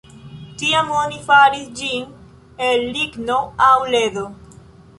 Tiam oni faris ĝin el ligno aŭ ledo.